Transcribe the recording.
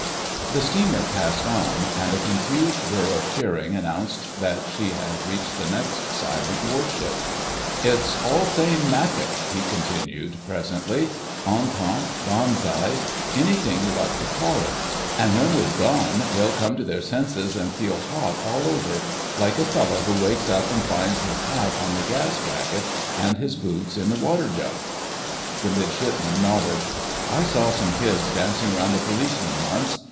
The steamer passed on, and a confused burr of cheering announced that she had reached the next silent warship. "It's all same 'Maffick,'" he continued presently, "Entente—Banzai—anything you like to call it. An' when we've gone they'll come to their senses and feel hot all over—like a fellow who wakes up and finds his hat on the gas bracket and his boots in the water jug!" The Midshipman nodded: "I saw some kids dancing round a policeman once.